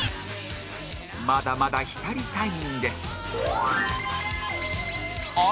まだまだ浸りたいんです